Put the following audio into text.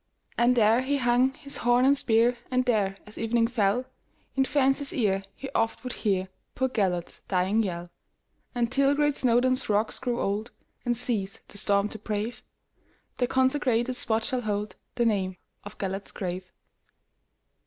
And there he hung his horn and spear, And there, as evening fell, In fancy's ear he oft would hearPoor Gêlert's dying yell. And, till great Snowdon's rocks grow old, And cease the storm to brave, The consecrated spot shall holdThe name of "Gêlert's Grave."